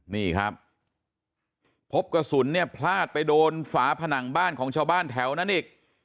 นี่ครับพบกระสุนเนี่ยพลาดไปโดนฝาผนังบ้านของชาวบ้านแถวนั้นอีก